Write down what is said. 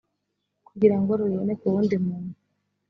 kugira ngo rubibone ku wundi muntu